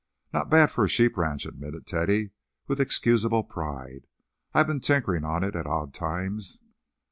"Not so bad for a sheep ranch," admitted Teddy, with excusable pride. "I've been tinkering on it at odd times."